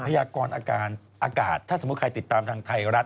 ยากรอากาศถ้าสมมุติใครติดตามทางไทยรัฐ